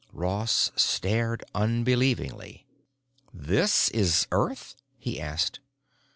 Ross stared unbelievingly. "This is Earth?" he asked.